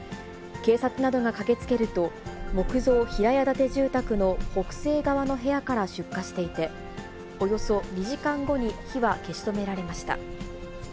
警察などが駆けつけると、木造平屋建て住宅の北西側の部屋から出火していて、およそ２時間後に火は消し止められました。